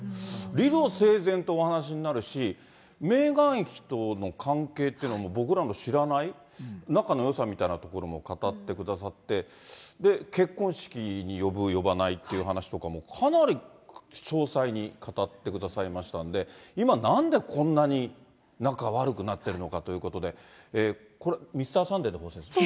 理路整然とお話になるし、メーガン妃との関係というのも僕らの知らない、仲のよさみたいなところも語ってくださって、結婚式に呼ぶ呼ばないっていう話とかも、かなり詳細に語ってくださいましたんで、今、なんでこんなに仲悪くなってるのかということで、これミスターサンデーで放送ですか？